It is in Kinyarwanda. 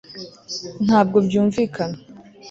ntabwo byumvikana